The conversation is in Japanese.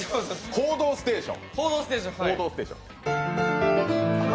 「報道ステーション」。